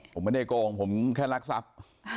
ผมไม่ได้โกงผมแค่รักทรัพย์